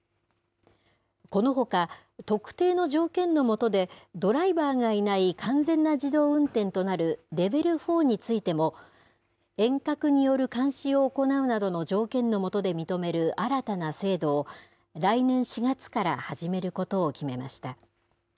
このほか、特定の条件のもとで、ドライバーがいない完全な自動運転となるレベル４についても、遠隔による監視を行うなどの条件の下で認める新たな制度を、来年４月から始めることを決めました。